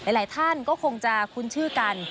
หลายท่านก็คงจะคุ้นชื่อกัน